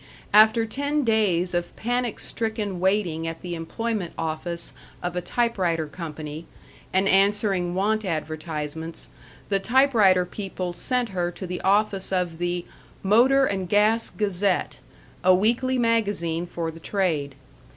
After ten days of panic stricken waiting at the employment office of a typewriter company, and answering want advertisements, the typewriter people sent her to the office of the Motor and Gas Gazette, a weekly magazine for the trade.